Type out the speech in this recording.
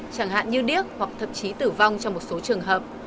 chẳng hạn như điếc hoặc thậm chí tử vong trong một số trường hợp